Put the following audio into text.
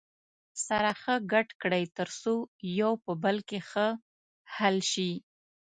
سره ښه ګډ کړئ تر څو یو په بل کې ښه حل شي.